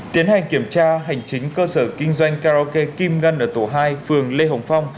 tiến hành kiểm tra hành chính cơ sở kinh doanh karaoke kim ngân ở tổ hai phường lê hồng phong